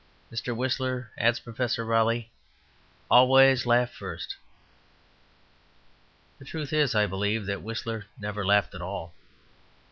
"Mr. Whistler," adds Professor Raleigh, "always laughed first." The truth is, I believe, that Whistler never laughed at all.